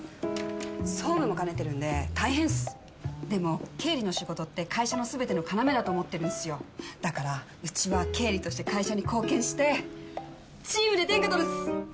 総務も兼ねてるんで大変っすでも経理の仕事って会社の全ての要だと思ってるんすよだからうちは経理として会社に貢献してチームで天下取るっす！